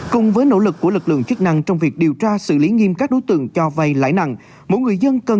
cùng với nỗ lực của lực lượng chức năng trong việc điều tra xử lý nghiêm các đối tượng cho vay lãnh nặng